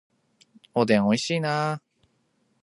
おでん美味しいな